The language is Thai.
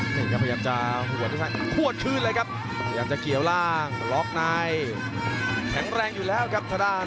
ไม่มีหนีเลยครับเกร็ดกล้องยุธยา